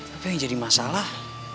tapi yang jadi masalah